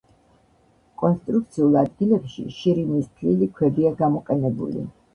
კონსტრუქციულ ადგილებში შირიმის თლილი ქვებია გამოყენებული.